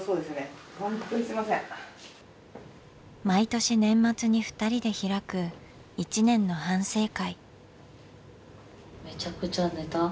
毎年年末にふたりで開く１年の反省会。